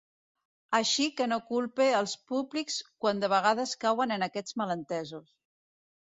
Així que no culpe els públics quan de vegades cauen en aquests malentesos.